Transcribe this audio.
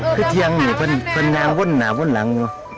คือเทียงหนีเป็นนางว่นหาว่นหลัง